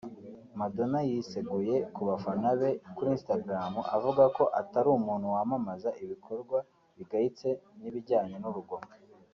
Madonna yiseguye ku bafana be kuri Instagram avuga ko atari umuntu wamamaza ibikorwa bigayitse n’ibijyanye n’urugomo